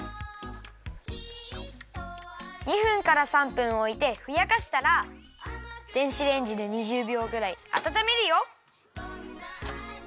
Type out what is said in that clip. ２分から３分おいてふやかしたら電子レンジで２０びょうぐらいあたためるよ。